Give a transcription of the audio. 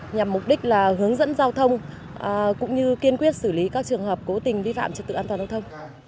nhằm mục đích là hướng dẫn giao thông cũng như kiên quyết xử lý các trường hợp cố tình vi phạm trật tự an toàn giao thông